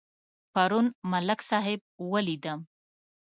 پرون ملک صاحب ولیدم.